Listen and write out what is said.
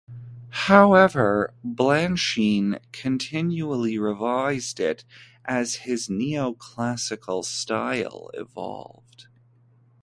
However, Balanchine continually revised it as his neoclassical style evolved.